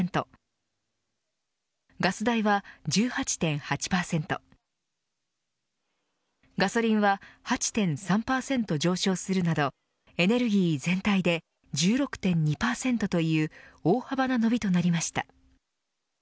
ガス代は１８．８％ガソリンは８．３％上昇するなどエネルギー全体で１６．２％という大幅な伸びとなりました。